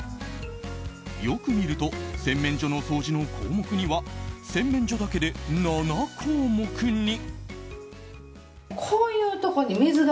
よく見ると洗面所の掃除の項目には洗面所だけで７項目に。